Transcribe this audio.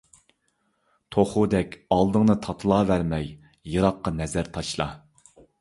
توخۇدەك ئالدىڭنى تاتىلاۋەرمەي، يىراققا نەزەر تاشلا!